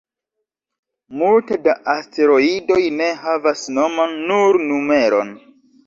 Multe da asteroidoj ne havas nomon, nur numeron.